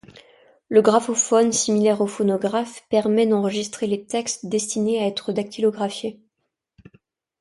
Le graphophone, similaire au phonographe, permet d'enregistrer les textes destinés à être dactylographiés.